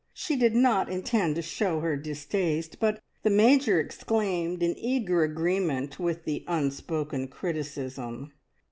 She did not intend to show her distaste, but the Major exclaimed in eager agreement with the unspoken criticism.